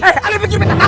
eh alih bikin beta